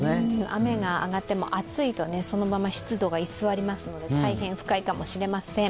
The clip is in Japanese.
雨が上がっても暑いとそのまま湿度が居座りますので大変不快かもしれません。